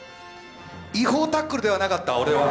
違法タックルではなかった俺は。